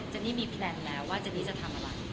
นี่มีแพลนแล้วว่าเจนี่จะทำอะไร